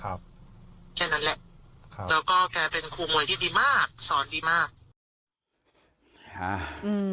แค่นั้นแหละแล้วก็แกเป็นครูมวยที่ดีมากสอนดีมาก